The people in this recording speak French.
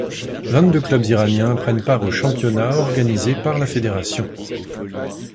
Vingt-deux clubs iraniens prennent part au championnat organisé par la fédération.